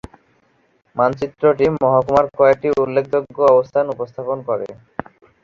মানচিত্রটি মহকুমার কয়েকটি উল্লেখযোগ্য অবস্থান উপস্থাপন করে।